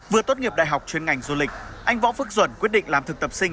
vừa tốt nghiệp đại học chuyên ngành du lịch anh võ phước duẩn quyết định làm thực tập sinh